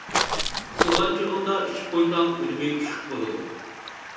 ئۇخلىغان چېغىڭدا ئېچىپ قويساڭ ئۈنۈمى كۈچلۈك بولىدۇ.